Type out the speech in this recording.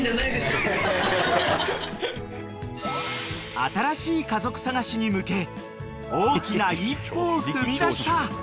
［新しい家族探しに向け大きな一歩を踏みだした］